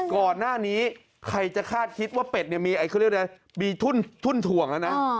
ก่อนหน้านี้ใครจะคาดคิดว่าเป็ดมีทุ่นถ่วงแล้วนะ